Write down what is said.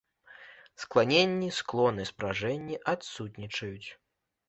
Скланенні, склоны і спражэнні адсутнічаюць.